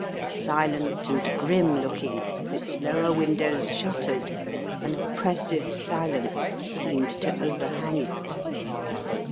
Silent and grim looking, with its lower windows shuttered, an oppressive silence seemed to overhang it.